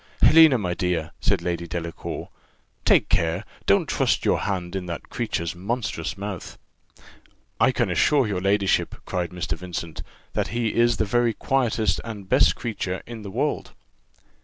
"Helena, my dear," said Lady Delacour, "take care! don't trust your hand in that creature's monstrous mouth." "I can assure your ladyship," cried Mr. Vincent, "that he is the very quietest and best creature in the world."